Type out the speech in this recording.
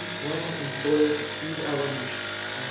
Land and soil to feed our Nation."